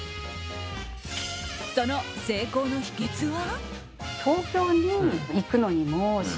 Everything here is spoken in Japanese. その成功の秘訣は。